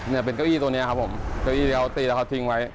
เนี่ยเป็นเก้าอี้ตัวนี้ครับผมเก้าอี้ที่เขาตีแล้วเขาทิ้งไว้